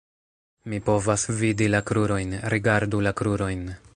Mi povas vidi la krurojn, rigardu la krurojn.